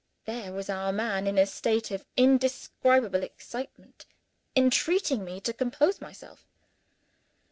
There was our man, in a state of indescribable excitement, entreating me to compose myself!